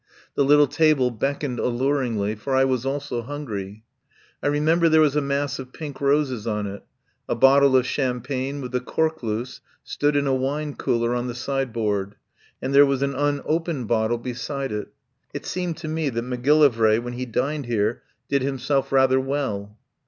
The little table beckoned alluringly, for I was also hungry. I remember there was a mass of pink roses on it. A bottle of champagne, with the cork loose, stood in a wine cooler on the side board, and there was an unopened bottle 138 RESTAURANT IN ANTIOCH STREET beside it. It seemed to me that Macgillivray, when he dined here, did himself rather well.